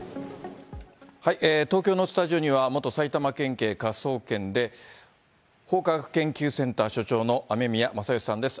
東京のスタジオには、元埼玉県警科捜研で、法科学研究センター所長の雨宮正欣さんです。